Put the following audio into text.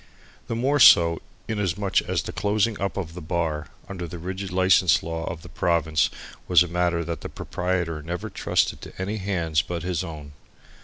The more so inasmuch as the closing up of the bar under the rigid license law of the province was a matter that the proprietor never trusted to any hands but his own.